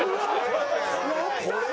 これは。